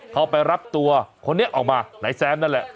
เข้าไปรับตัวคนนี้ออกมานายแซมนั่นแหละ